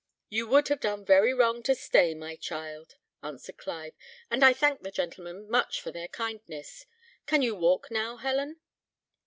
"You would have done very wrong to stay, my child," answered Clive; "and I thank the gentlemen much for their kindness. Can you walk now, Helen?"